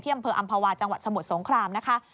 ที่อำเภวาจังหวัดสมุทรสงครามนะคะ